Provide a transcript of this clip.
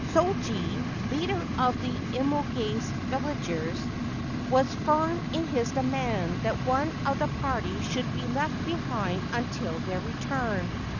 Shoji, leader of the Imogase villagers, was firm in his demand that one of the party should be left behind until their return.